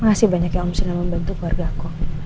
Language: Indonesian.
makasih banyaknya om sina membantu keluarga aku